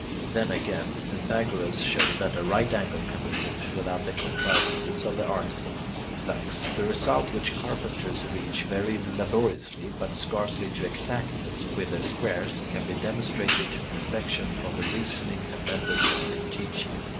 Then again, Pythagoras showed that a right angle can be formed without the contrivances of the artisan. Thus, the result which carpenters reach very laboriously, but scarcely to exactness, with their squares, can be demonstrated to perfection from the reasoning and methods of his teaching.